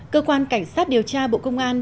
cơ quan cảnh sát điều tra bộ công an